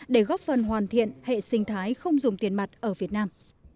để góp phần hoàn thiện hệ sinh thái không dùng tiền mặt ở việt nam